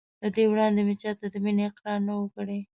له دې وړاندې مې چا ته د مینې اقرار نه و کړی.